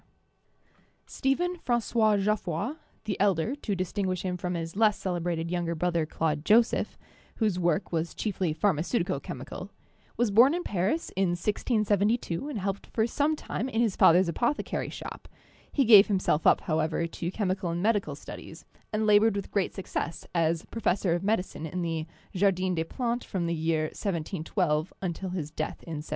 no CHEMISTRY Stephen Franqois Geoff roy (the elder, to distinguish him from his less celebrated younger brother, Claude Joseph, whose work was chiefly pharmaceutico chemical) was born in Paris in 1672, and helped for some time in his father's apothecary shop; he gave himself up, however, to chemical and medical studies, and labored with great success as professor of medicine in the Jardin des Plantes from the year 1712 until his death in 1731.